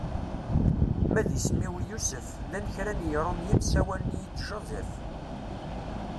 Ma d isem-iw Yusef llan kra n Yirumyen sawalen-iyi-d Joseph.